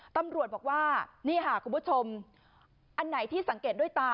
ตำรวจบอกว่านี่ค่ะคุณผู้ชมอันไหนที่สังเกตด้วยตา